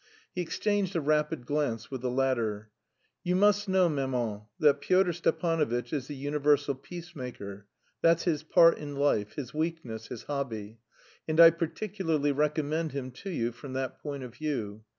He exchanged a rapid glance with the latter. "You must know, maman, that Pyotr Stepanovitch is the universal peacemaker; that's his part in life, his weakness, his hobby, and I particularly recommend him to you from that point of view.